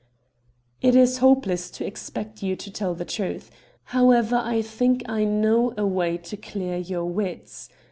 "It is hopeless to expect you to tell the truth. However, I think I know a way to clear your wits.